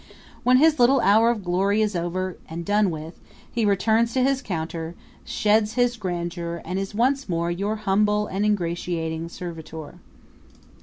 When his little hour of glory is over and done with he returns to his counter, sheds his grandeur and is once more your humble and ingratiating servitor.